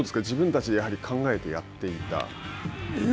自分たちで考えてやっていた？